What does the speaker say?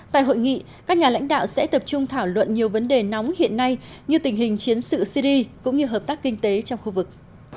tại hội nghị các nhà lãnh đạo sẽ tập trung thảo luận nhiều vấn đề nóng hiện nay như tình hình chiến sự syri cũng như hợp tác kinh tế trong khu vực